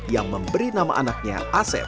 yang memberi nama anaknya asep